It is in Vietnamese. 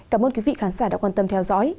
cảm ơn quý vị khán giả đã quan tâm theo dõi